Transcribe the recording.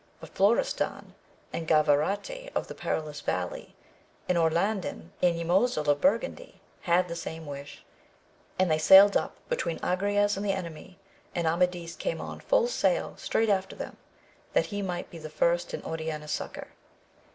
But Florestan and Gavarte of the Perilous Valley, and Orlandin and Ymosil of Burgundy had the same wish, and they sailed up between Agrayes and the enemy. And Amadis came on full sail straight after them, that he might be the first in Oriana's succour.